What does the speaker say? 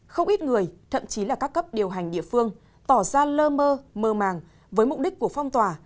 không ít người thậm chí là các cấp điều hành địa phương tỏ ra lơ mơ mơ màng với mục đích của phong tỏa